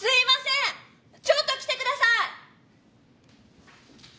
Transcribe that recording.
ちょっと来てください！